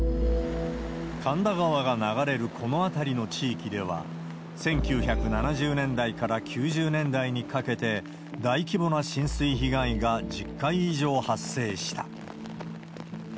神田川が流れるこの辺りの地域では、１９７０年代から９０年代にかけて、大規模な浸水被害が１０回以上発生した。